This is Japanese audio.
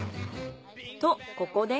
とここで。